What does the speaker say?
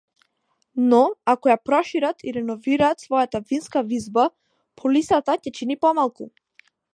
Но ако ја прошират и реновираат својата винска визба, полисата ќе чини помалку.